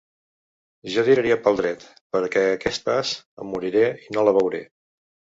Jo tiraria pel dret perquè a aquest pas em moriré i no la veuré.